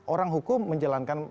orang hukum menjalankan